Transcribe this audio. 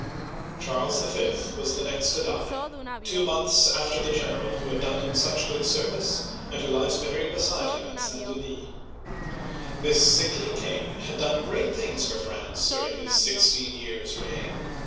Charles V. was the next to die, — two months after the general who had done him such good service, and who lies buried beside him at St. Denis. This sickly king had done great things for France during his sixteen years* reign.